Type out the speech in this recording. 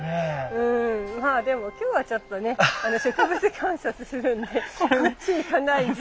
うんまあでも今日はちょっとね植物観察するんでこっち行かないで。